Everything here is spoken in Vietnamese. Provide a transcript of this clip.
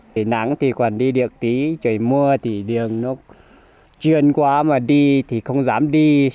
điều này là thấy nhiều người đi lại thì vất vả quá bởi vì là đường lúc trời mưa thì đi lại thì không đi được còn đẩy xe đi thôi